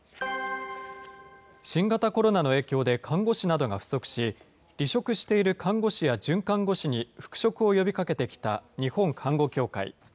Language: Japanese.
新型コロナの影響で看護師などが不足し、離職している看護師や准看護師に復職を呼びかけてきた日本看護協会。